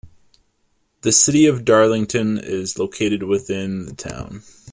The City of Darlington is located within the town.